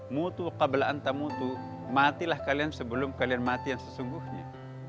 matilah kalian sebelum kalian mati yang sesungguhnya